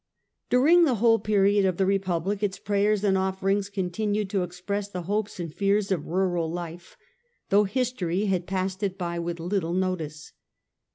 During the whole period of the Republic its prayers and offerings continued Brothers, to express the hopes and fears of rural life, though history has passed it by wfith little notice.